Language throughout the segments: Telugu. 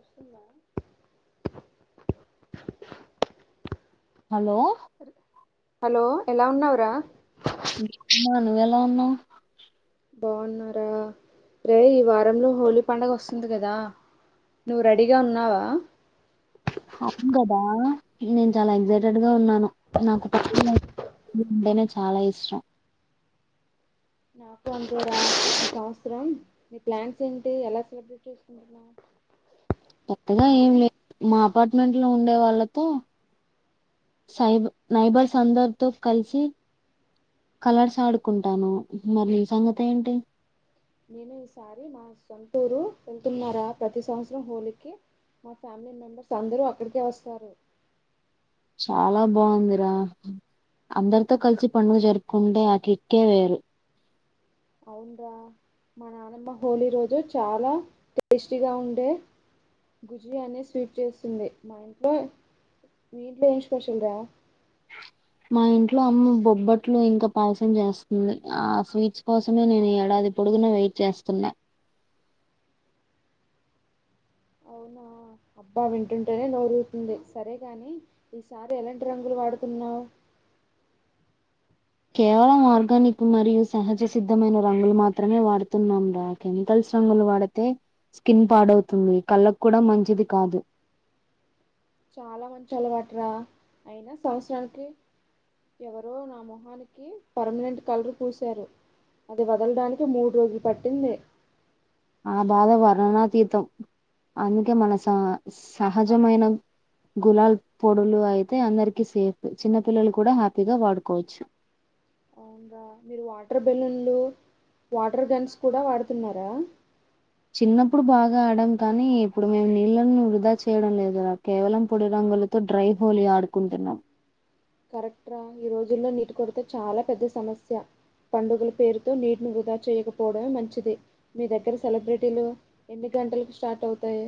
ఒస్తుందా హలో హలో ఎలా ఉన్నావ్ రా [unintelligible] నువెళా ఉన్నావ్ బాగున్నారా రే ఈ వారంలో హోలీ పండగొస్తుంది కదా నువ్వు రెడీగా ఉన్నావా అవ్ను కదా నేను చాలా ఎక్సైటెడ్గా ఉన్నాను నాకు ప అంటేనే చాలా ఇష్టం నాకు అంతె రా ఈ సంవత్సరం నీ ప్లాన్స్ ఏంటి ఎలా సెలబ్రేట్ చేసుకుంటున్నావ్ కొత్తగా ఏం లేదు మా అపార్ట్మెంట్లో ఉండే వాళ్ళతో సైబ్ నైబర్స్ అందరితో కల్సి కలర్స్ ఆడుకుంటాను మరి నీ సంగతేంటి నేను ఈసారి మా సొంటూరు వెళ్తున్నారా ప్రతి సమస్రమ్ హోలీ కి మా ఫ్యామిలీ మెంబెర్స్ అందరూ అక్కడ్కే వస్తారు చాలా బాగుందిరా అందర్తో కల్సి పండుగ జరుప్కుంటే ఆ కిక్కే వేరు అవున్రా మా నానమ్మ హోలీ రోజు చాలా టేస్టీగా ఉండే గుజీ అనే స్వీట్ చేస్తుంది మా ఇంట్లో మీ ఇంట్లో ఏం స్పెషల్రా ఆహ్ మా ఇంట్లో అమ్మ బొబ్బట్లు ఇంకా పాయసం చేస్తుంది. ఆ స్వీట్స్ కోసమే నేను ఏడాది పొడుగున వెట్ చేస్తున్నా అవునా అబ్బా వింటుంటేనే నోరుర్తుంది. సరేగాని ఈసారి ఎలాంటి రంగులు వాడుతున్నావు? కేవలం ఆర్గానిక్ మరియు సహజ సిద్ధమైన రంగులు మాత్రమే వాడుతున్నాం రా కెమికల్స్ రంగులు వాడితే స్కిన్ పాడవుతుంది కళ్ళకు కూడా మంచిది కాదు చాలా మంచి అలవాట్రా అయినా సంవత్సరానికి ఎవరో నా మొహన కి పర్మినెంట్ కలర్ పూసారు అది వదల్డానికి మూడ్రోజులు పట్టింది ఆ బాధ వర్ణాతీతం అందుకే మన స-సహజమైన గులాల్ పొడులు అయితే అందరికి సేఫ్ చిన్న పిల్లలు కూడా హ్యాపీగా వాడుకోవచ్చు. అవునా మీరు వాటర్ బెలూన్లు వాటర్ గన్స్ కూడా వాడుతున్నారా? చిన్నప్పుడు బాగా ఆడం కానీ ఇప్పుడు మేం నీళ్ళని వృధా చేయడం లేదుర కేవలం పొడి రంగులు తో డ్రై హోలి ఆడుకుంటున్నాం. కరెక్టరా ఈ రోజుల్లో నీటి కొరతో చాలా పెద్ద సమస్య. పండుగల పేరుతో నీటిని వృధా చేయకపోవడమే మంచిది మీ దగ్గర సెలబ్రిటీలు ఎన్ని గంటలకు స్టార్ట్ అవుతాయి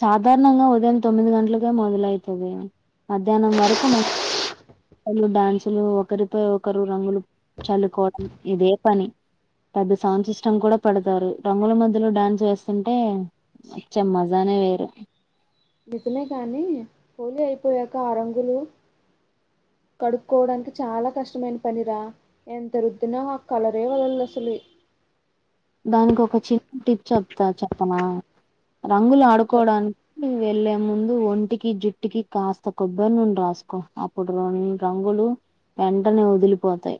సాధారణంగా ఉదయం తొమ్మిది గంటలకె మొదలైతుంది మధ్యాహ్నం వరకు మ లు డ్యాన్సులు ఒకరిపై ఒకరు రంగులు చల్లుకోవడం ఇదే పని పెద్ద సౌండ్ సిస్టమ్ గూడా పెడతారు రంగుల మధ్యలో డ్యాన్స్ వేస్తుంటే చ్చేమ్మా దానే వేరు నిజనే కానీ హోలీ అయిపోయాక ఆ రంగులు కడుక్కోవడానికి చాలా కష్టమైన పనిరా ఎంత రుద్దిన ఆ కలరే వదలు అసలు దానికి ఒక చిన్న టిప్ చెప్తా చెప్పనా రంగులు ఆ చె ఆడుకోడాని ను వెళ్ళే ముందు ఒంటికి జుట్టుకి కాస్త కొబ్బర్ నూన్ రాసుకో అప్పుడు రం రంగులు వెంటనే వదిలిపోతాయి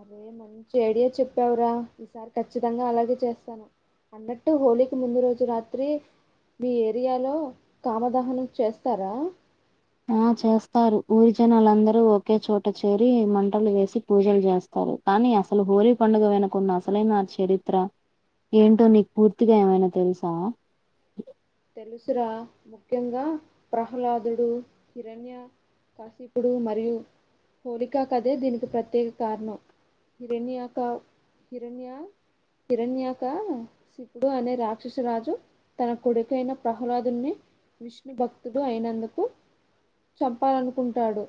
అరే మంచి ఐడియా చెప్పావురా ఈసారి ఖచ్చితంగా అలాగే చేస్తాను అన్నట్టు హోలీకి ముందు రోజు రాత్రి మీ ఏరియాలో కామదహనం చేస్తారా అ చేస్తారు ఊరి జనాలందరూ ఒకే చోట చేరి మంటలు వేసి పూజలు జేస్తారు కానీ అసలు హోలీ పండుగ వెనక ఉన్న అసలైన చరిత్ర ఏంటో నీకు పూర్తిగా ఏమైనా తెలుసా తెలుసురా ముఖ్యంగా ప్రహ్లాదుడు కిరణ్య కాసిపుడు మరియు హోలికా కదే దీనికి ప్రత్యేక కారణం హిరణ్యక హిరణ్య కిరణ్యాక శికుడు అనే రాక్షసు రాజు కొడుకైన ప్రహ్లాదుని విష్ణు భక్తుడు అయినందుకు చంపాలనుకుంటాడు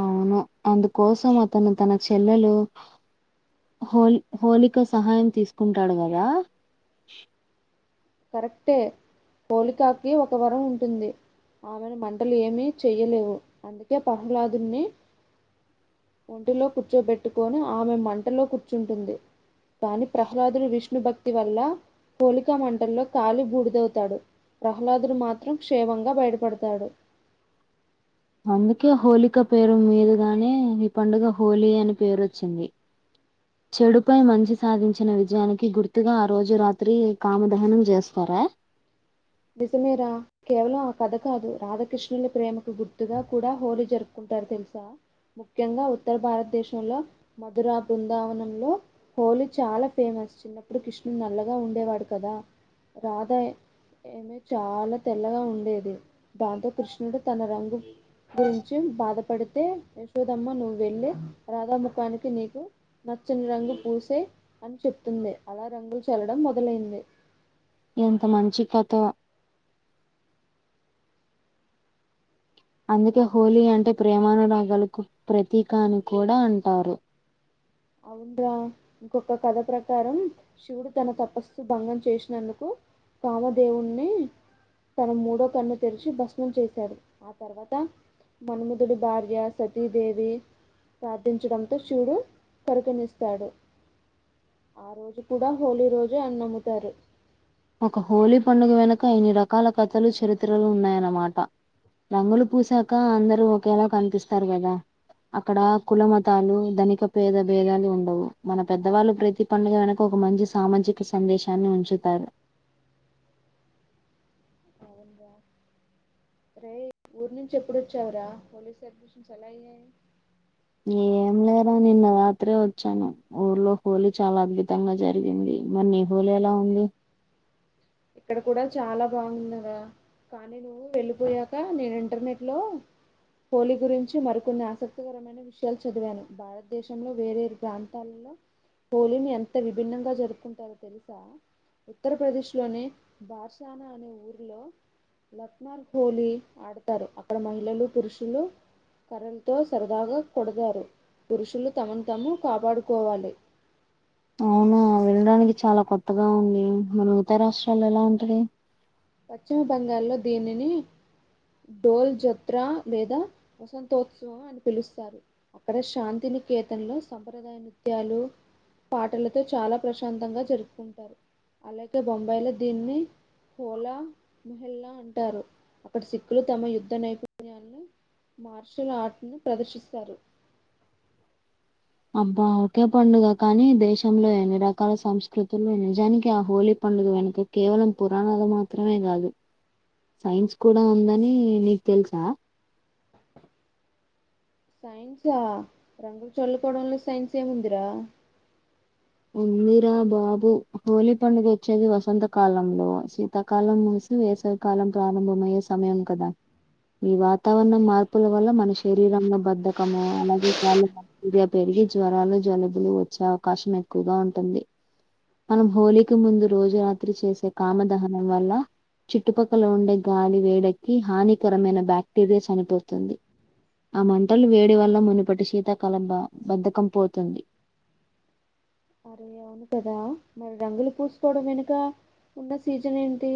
అవును అందుకోసం అతను తన చెల్లెలు హోలి హోలిక సహాయం తీసుకుంటాడు గదా కరెక్టే హోలికాకి ఒక వరం ఉంటుంది ఆమెను మంటలు ఏమీ చెయ్యలేవు అందుకే ప్రహ్లాదుని ఒంటిలో కూచ్చోబెట్టుకొని ఆమె మంటలో కూచ్చుంటుంది కానీ ప్రహ్లాదుడి విష్ణు భక్తి వల్ల హోలిక మం టలో కాలి బూడిదవుతాడు ప్రహ్లాదుడు మాత్రం క్షేమంగా బయటపడతాడు అందుకే హోలిక పేరు మీదగానే ఈ పండుగ హోలీ అని పేరు వచ్చింది [inaudible] చెడుపై మంచి సాధించిన విజయానికి గుర్తుగా ఆ రోజు రాత్రి కామ దహనం జెస్తారా నిజమేరా కేవలం ఆ కథ కాదు రాధాకృష్ణుల ప్రేమకు గుర్తుగా కూడా హోలీ జరుపుకుంటారు తెలుసా ముఖ్యంగా ఉత్తర భారతదేశంలో మధురా బృందావనంలో హోలీ చాలా ఫేమస్ చిన్నప్పుడు కృష్ణుడు నల్లగా ఉండేవాడు కదా రాధ ఇమె చాలా తెల్లగా ఉండేది దాంతో కృష్ణుడు తన రంగు గురించి బాధపడితే యశోదమ్మ నువ్వు వెళ్ళి రాధాముఖానికి నీకు నచ్చని రంగు పూసై అని చెప్తుంది అలా రంగులు చల్లడం మొదలైంది ఎంత మంచి కథో అందుకే హోలీ అంటే ప్రేమానురాగాలకు ప్రతీక అని కూడా అంటారు అవునురా ఇంకొక కథ ప్రకారం శివుడు తన తపస్సు భంగం చేసినందుకు కాలదేవున్ని తన మూడో కన్ను తెరిచి భస్మం చేశాడు ఆ తర్వాత మనుముదుుడి భార్య సతీదేవి ప్రార్థించడంతో శివుడు పరిగణిస్తాడు ఆ రోజు కూడా హోలీ రోజు అన్ని నమ్ముతారు ఒక హోలీ పండుగ వెనుక అన్ని రకాల కథలు చరిత్రలు ఉన్నాయి అనమాట రంగులు పూసాక అందరు ఒకేలా కనిపిస్తారు కదా అక్కడ కుల, మతాలు ధనిక, పేద భేదాలు ఉండవు మన పెదవాళ్లు ప్రతి పండుగ వెనుక ఒక మంచి సామాజిక సందేశాన్ని ఉంచుతారు [inaudible] ఒరేయ్ ఊరి నుంచి ఎపుడు ఒచ్చావ్ రా పోలీస్ సర్పరేషన్స్ ఎలా అయ్యాయి ఏం లేరా నిన్న రాత్రే ఒచ్చాను ఊర్లో హోలీ చాలా అద్భుతంగా జరిగింది మరి నీ హోలీ ఎలా ఉంది ఇక్కడ కూడా చాలా బావుంది రా కానీ నువ్వు వెళ్ళిపోయాక నేను ఇంటర్నెట్ లో హోలీ గురించి మరికొన్ని ఆసక్తికరమైన విషయాలు చదివాను భారతదేశంలో వేరే ప్రాంతాలలో హోలీని ఎంత విభిన్నంగా జరుపుకుంటారో తెలుసా ఉత్తరప్రదేశ్ లోనే బార్శన అనే ఊర్ లో లక్నార్ హోలీ ఆడతారు అక్కడ మహిళలు, పురుషులు కర్రలతో సరదాగా కొడతారు పురుషులు తమను తాము కాపాడుకోవాలి అవునా వినడానికి చాలా కొత్తగా ఉంది మిగతా రాష్ట్రాల్లో ఎలా ఉంటది పశ్చిమ బెంగాల్లో దీనిని డోల్ జోత్ర లేదా వసంతోత్సవం అని పిలుస్తారు అక్కడ శాంతిని కేేతన్లో సంప్రదాయ నృత్యాలు పాటలతో చాలా ప్రశాంతంగా జరుపుకుంటారు అలాగే బొంబాయిలో దీన్ని కోలా మహెల్లా అంటారు అక్కడ సిక్కులు తమ యుద్ధ నైపుణ్యాన్ని మార్షల్ ఆర్ట్ ని ప్రదర్శిస్తారు అబ్బా ఒకే పండుగ కానీ దేశంలో ఎన్ని రకాల సంస్కృతులు నిజానికి ఆ హోలీ పండుగ వెనుక కేవలం పురాణాలు మాత్రమే కాదు సైన్స్ కూడా ఉందని నీకు తెల్సా సైన్సా రంగులు చల్లుకోవడంలో సైన్స్ ఏముందిరా ఉందిరా బాబు హోలీ పండుగ వచ్చేది వసంత కాలంలో శీ తకాలం ముూసి వేసవికాలం ప్రారంభమయ్యే సమయం కదా ఈ వా తావరణ మార్పుల వల్ల మన శరీరం లో బద్ద కం అలాగే [inaudible] పెరిగి జ్వరాలు, జలుబులు వచ్చే అవకాశం ఎ క్కువగా ఉంటుంది మనం హోలీకి ముందు రోజు రాత్రి చేసే కామ దహనం వల్ల చుట్టుపక్కల ఉండే గాలి వేడెక్కి హానికరమైన బాక్టీరియా చనిపోతుంది ఆ మంటలు వేడి వల్ల మనుపటి శీతకాలం బద్దకం పోతుంది అరే అవును కదా మరి రంగులు పూసుకోవడం వెనుక ఉన్న సీజన్ ఏంటి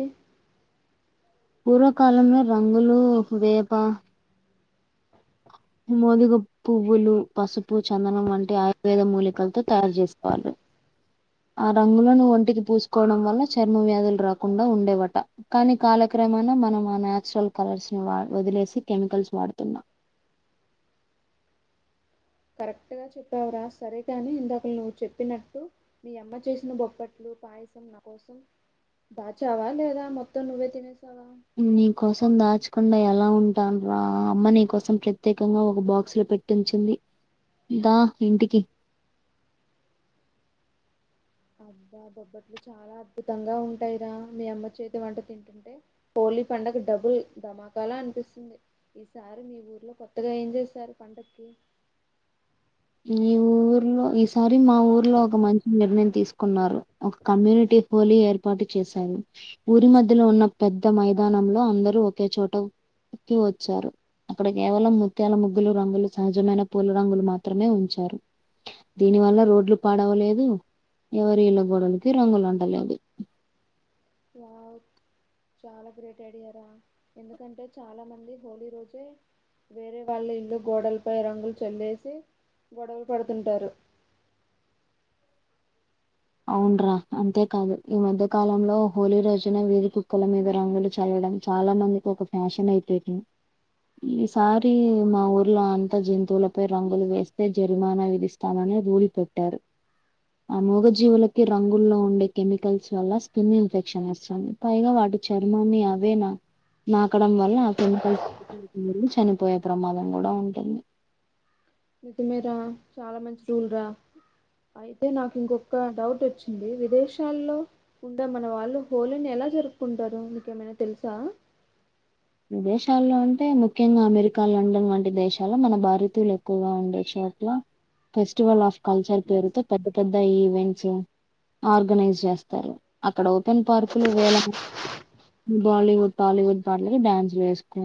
పూర్వకాలంలో రంగులు వేప మోదుగం పువ్వులు, పసుపు, చందనం వంటి ఆయుర్వేద మూలికలతో తయారు చేసుకోవాలి ఆ రంగులను ఒంటికి పూసుకోవడం వల్ల చర్మ వ్యాధులు రాకుండా ఉండేవట కానీ కాలక్రమన మనం ఆ నాచురల్ కలర్స్ ని వ వదిలేసి కెమికల్స్ వాడుతున్నాం కరెక్ట్ గా చెప్పావ్ రా సరేగాని ఇందకల్ నువ్వు చెప్పినట్టు మీ అమ్మ చేసిన బొప్పట్లు పాయసం నా కోసం దాచావా లేదా మొత్తం నువ్వే తినేసావా నీ కోసం దాచకుండా ఎలా ఉంటాన్ రా అమ్మ నీకోసం ప్రత్యేకంగా ఒక బాక్స్ లో పెట్ ట్టించింది దా ఇంటికి అబ్బా బొబ్బట్లు చాలా అద్భుతంగా ఉంటాయిరా మీ అమ్మ చేతి వంట తింటుంటే హోలీ పండగకు డబ్బుల్ ధమాకాల అనిపిస్తుంది ఈసారి మీ ఊర్లో కొత్తగా ఏం చేస్తారు పండక్కి ఈ ఊర్లో ఈసారి మా ఊర్లో ఒక మంచి నిర్ణయం తీసుకున్నారు ఒక కమ్యూనిటీ హోలి ఏర్పాటు చేశారు ఊరి మధ్యలో ఉన్న పెద్ద మైదానంలో అందరూ ఒకే చోట కి వచ్చారు అక్కడ కేవలం ముత్యాల ముగ్గులు రంగులు సహజమైన పూల రంగులు మా త్రమే ఉంచారు దీని వల్ల రోడ్లు పాడవలేదు ఎవరి ఇళ్ళ గోడలకి రంగులు అంటలేదు చా చాలా గ్రేట్ ఐడియారా ఎందుకంటే చాలా మంది హోలీ రోజే వేరే వాళ్ళ ఇల్లు గోడలపై రంగులు చల్లేసి గొడవలు పడుతుంటారు అవున్రా అంతేకాదు ఈ మధ్య కాలంలో హోలీ రోజున వీది కుక్కల మీద రంగులు చల్లడం చాలా మందికి ఒక ఫ్యాషన్ అయిపోయింది ఈసారి మా ఊర్లో అంత జంతువులపై రంగులు వేస్తే జరిమానా విధిస్ స్టామనే రూల్ పెట్టారు ఆమూగజీ జీవులకి రంగుల్లో ఉండే కెమికల్స్ వల్ల స్కిన్ ఇన్ఫెక్షన్ వస్తుంది పైగా వాటి చర్మాన్ని అవే నా నాకడం వల్ల కెమికల్స్ మింగి చనిపోయే ప్రమాదం కూడా ఉంటది నిజమే రా చాలా మంచి రూల్ రా అయితే నాకు ఇంకొక డౌట్ వచ్చింది విదేశాల్లో ఉండ మన వాళ్ళు హోలీని ఎలా జరుపుకుంటారు మీకేమైనా తెలుసా విదేశాల్లో అంటే ముఖ్యంగా అమెరికా లండన్ వంటి దేశాల్లో మన భారతీయులు ఎక్కువగా ఉండే చోట్ల ఫెస్టివల్ ఆఫ్ కల్చర్ పేరుతో పెద్ద పెద్ద ఈవెంట్సు ఆర్గనైజ్ చేస్తారు అక్కడ ఓపెన్ పార్కులు వేల బాలీవుడ్ టాలీవుడ్ బార్ వెళ్ళి డ్యాన్స్లు వేసుకు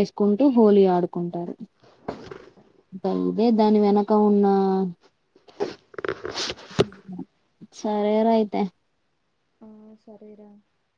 ఏసుకుంటూ హోలీ ఆడుకుంటారు ఇ ఇదే దాని అవును వెనక ఉన్న సరే రా అయితే ఆ సరేరా